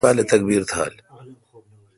تے ا پنر بال اے°تکبیر تھال۔